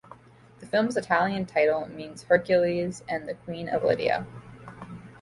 The film's Italian title means "Hercules and the Queen of Lydia".